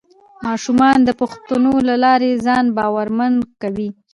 ماشومان د پوښتنو له لارې ځان باورمن کوي